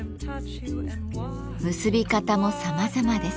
結び方もさまざまです。